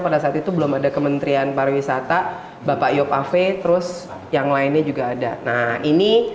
pada saat itu belum ada kementerian pariwisata bapak yop ave terus yang lainnya juga ada nah ini